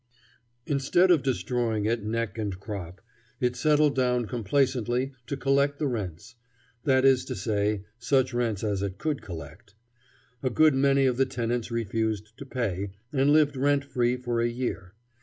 Instead of destroying it neck and crop, it settled down complacently to collect the rents; that is to say, such rents as it could collect. A good many of the tenants refused to pay, and lived rent free for a year.